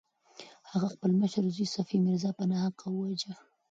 هغه خپل مشر زوی صفي میرزا په ناحقه وواژه.